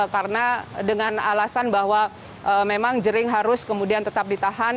karena dengan alasan bahwa memang jering harus kemudian tetap ditahan